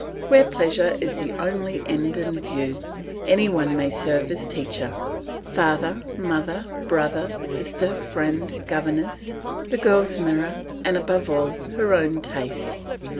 Where pleasure is the only end in view, any one may serve as teacher father, mother, brother, sister, friend, governess, the girl's mirror, and above all her own taste.